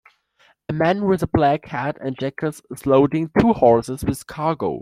a man with a black hat and jacket is loading two horses with cargo.